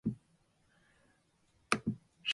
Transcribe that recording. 使用正确的拼写和标点符号